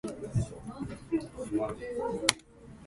じゃらんーーーーー